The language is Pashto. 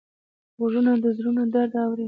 غوږونه د زړونو درد اوري